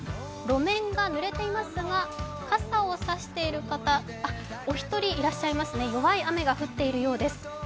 路面が濡れていますが、傘を差している方、お一人いらっしゃいますね弱い雨が降っているようです。